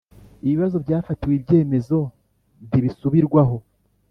Ibibazo byafatiwe ibyemezo ntibisubirwaho